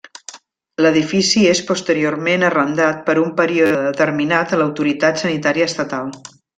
L'edifici és posteriorment arrendat per un període determinat a l'autoritat sanitària estatal.